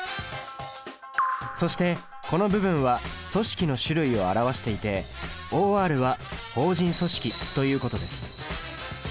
そしてこの部分は組織の種類を表していて「ｏｒ」は法人組織ということです。